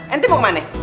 ini mau kemana